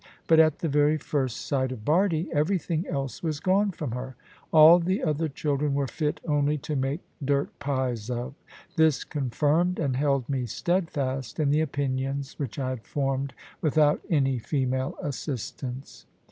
But at the very first sight of Bardie, everything else was gone from her. All the other children were fit only to make dirt pies of. This confirmed and held me steadfast in the opinions which I had formed without any female assistance.